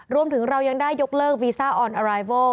รวมถึงเรายังได้ยกเลิกวีซ่าออนอารายเวิล